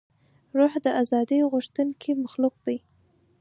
روح د ازادۍ غوښتونکی مخلوق دی.